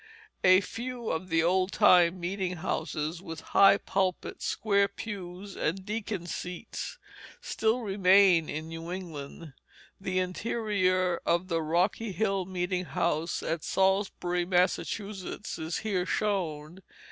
A few of the old time meeting houses, with high pulpit, square pews, and deacons' seats, still remain in New England. The interior of the Rocky Hill meeting house at Salisbury, Massachusetts, is here shown.